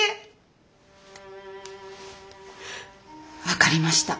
分かりました。